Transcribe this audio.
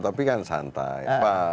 tapi kan santai